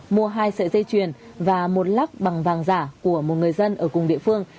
mua hai sợi dây chuyền và một lắc bằng vàng giả của một người dân ở cùng địa phương